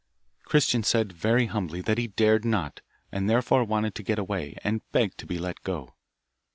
Christian said, very humbly, that he dared not, and therefore wanted to get away, and begged to be let go.